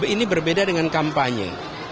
ini berbeda dengan kampanye